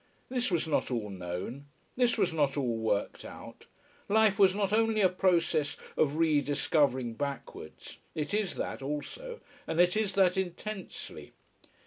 This was not all known. This was not all worked out. Life was not only a process of rediscovering backwards. It is that, also: and it is that intensely.